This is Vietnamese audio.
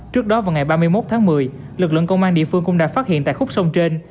trước đó vào ngày ba mươi một tháng một mươi lực lượng công an địa phương cũng đã phát hiện tại khúc sông trên